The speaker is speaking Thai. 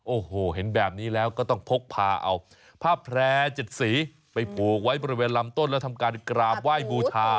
โอ้โหเห็นแบบนี้แล้วก็ต้องพกพาเอาผ้าแพร่๗สีไปผูกไว้บริเวณลำต้นและทำการกราบไหว้บูชา